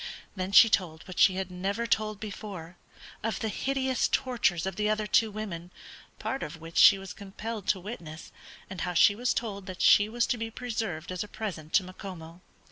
Then she told, what she had never told before, of the hideous tortures of the other two women, part of which she was compelled to witness, and how she was told that she was to be preserved as a present to Macomo.